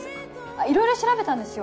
いろいろ調べたんですよ